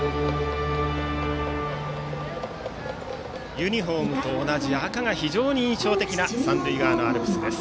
ユニフォームと同じ赤が非常に印象的な三塁側のアルプス。